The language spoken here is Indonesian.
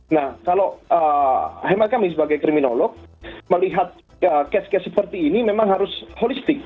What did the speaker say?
nah kalau hemat kami sebagai kriminolog melihat cash cash seperti ini memang harus holistik